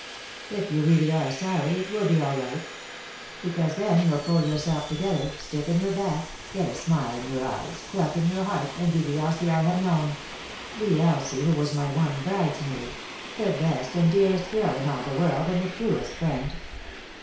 "If you really are sorry it will be all right Because then you'll pull yourself together, stiffen your back, get a smile in your eyes, pluck in your heart, and be the Elsie I have known ; the Elsie who was my one bridesmaid; the best and dearest girl in all the world, and the truest friend.